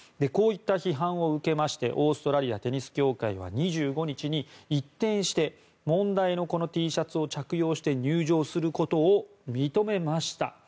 こういった批判を受けましてオーストラリアテニス協会は２５日に一転して問題のこのＴシャツを着用して入場することを認めました。